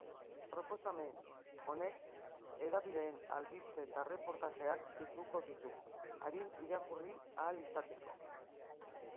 Proposamen honek hedabideen albiste eta erreportajeak bilduko ditu, arin irakurri ahal izateko.